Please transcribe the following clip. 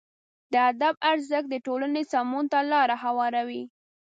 د ادب ارزښت د ټولنې سمون ته لاره هواروي.